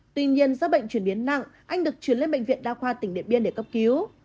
tuy nhiên do bệnh chuyển biến nặng anh được chuyển lên bệnh viện đa khoa tỉnh điện biên để cấp cứu